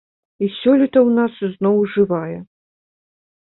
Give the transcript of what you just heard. І сёлета ў нас зноў жывая.